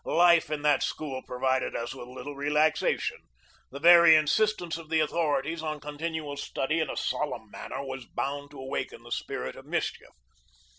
Life in that school provided us with little relaxation. The very insistence of the authorities on continual study in a solemn manner was bound to awaken the spirit of mischief.